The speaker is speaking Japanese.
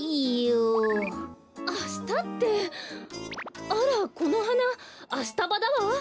あしたってあらこのはなアシタバだわ。